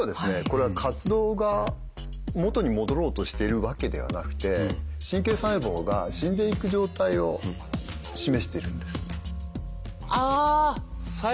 これは活動が元に戻ろうとしてるわけではなくて神経細胞が死んでいく状態を示しているんです。